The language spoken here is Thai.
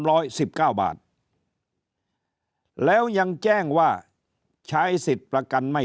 ร้อยสิบเก้าบาทแล้วยังแจ้งว่าใช้สิทธิ์ประกันไม่